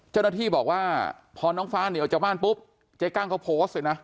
เจ้าหน้าที่บอกว่าพอน้องฟ้าเหนียวจากบ้านปุ๊บเจ๊กั้งเขาโพสต์เลยนะ